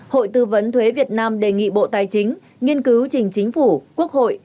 hội tư vấn thuế việt nam đề nghị bộ tài chính nghiên cứu trình chính phủ quốc hội